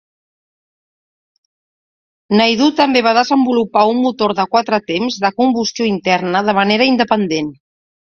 Naidu també va desenvolupar un motor de quatre temps de combustió interna de manera independent.